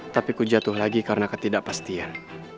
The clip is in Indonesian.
tapi ku jatuh lagi karena ketidakpastian